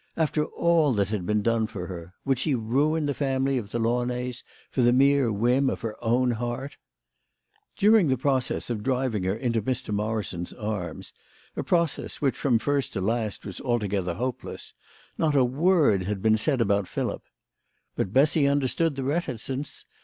After all that had been done for her, would she ruin the family of the Launays for the mere whim of her own heart ? During the process of driving her into Mr. Mor rison's arms a process which from first to last was altogether hopeless not a word had been said about Philip. But Bessy understood the reticence.